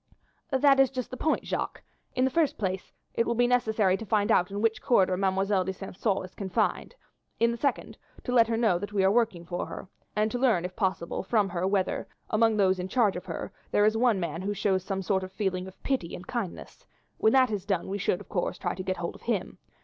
"That is just the point, Jacques. In the first place it will be necessary to find out in which corridor Mademoiselle de St. Caux is confined; in the second, to let her know that we are working for her, and to learn, if possible, from her whether, among those in charge of her, there is one man who shows some sort of feeling of pity and kindness; when that is done we should, of course, try to get hold of him.